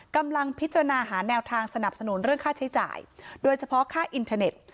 กำลังพิจารณาหาแนวทางสนับสนุนเรื่องค่าใช้จ่ายโดยเฉพาะค่าอินเทอร์เน็ต